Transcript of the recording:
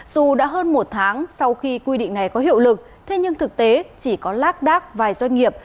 dù đã hơn một tháng sau khi quy định này có hiệu lực thế nhưng thực tế chỉ có lác đác vài doanh nghiệp